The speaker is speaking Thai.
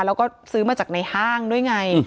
แล้วก็ซื้อมาจากในห้างด้วยไง